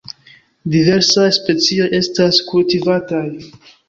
Diversaj specioj estas kultivataj.